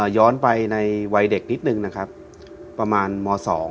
ย้อนไปในวัยเด็กนิดนึงนะครับประมาณม๒